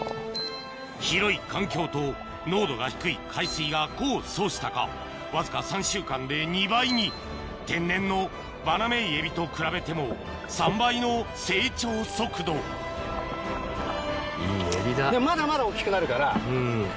広い環境と濃度が低い海水が功を奏したかわずか３週間で２倍に天然のバナメイエビと比べても３倍の成長速度いいエビだ。